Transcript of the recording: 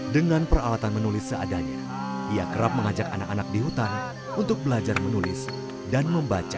dengan peralatan menulis seadanya ia kerap mengajak anak anak di hutan untuk belajar menulis dan membaca